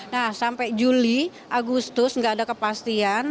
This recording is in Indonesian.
nah sampai juli agustus nggak ada kepastian